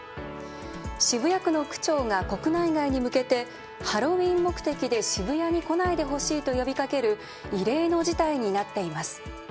渋谷区の区長が国内外に向けて「ハロウィーン目的で渋谷に来ないでほしい」と呼びかける異例の事態になっています。